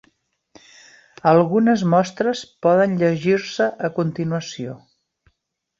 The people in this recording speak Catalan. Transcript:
Algunes mostres poden llegir-se a continuació.